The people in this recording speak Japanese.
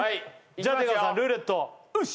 じゃあ出川さんルーレットよし！